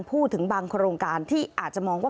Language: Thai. พูดถึงบางโครงการที่อาจจะมองว่า